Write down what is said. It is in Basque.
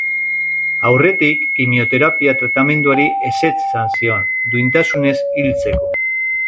Aurretik kimioterapia tratamenduari ezetz esan zion, duintasunez hiltzeko.